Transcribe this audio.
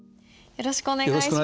よろしくお願いします。